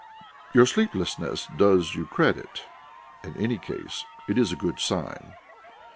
Your sleeplessness does you credit; in any case, it is a good sign.